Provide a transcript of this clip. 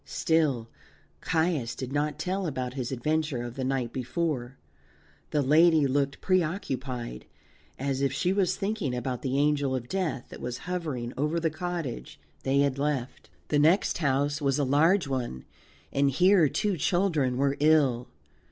Still Caius did not tell about his adventure of the night before. The lady looked preoccupied, as if she was thinking about the Angel of Death that was hovering over the cottage they had left. The next house was a large one, and here two children were ill.